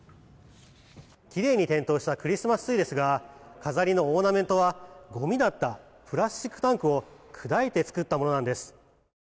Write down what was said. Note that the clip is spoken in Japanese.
「きれいに点灯したクリスマスツリーですがオーナメントは、ゴミだったプラスチックのタンクを砕いて作ったものなんです。」